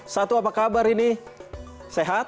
satu apa kabar ini sehat